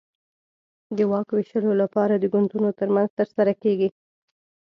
د واک وېشلو لپاره د ګوندونو ترمنځ ترسره کېږي.